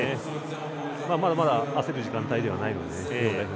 まだまだ焦る時間帯ではないので日本代表